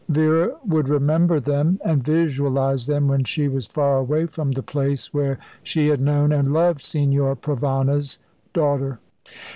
Vera would remember them, and visualise them when she was far away from the place where she had known and loved Signor Provana's daughter.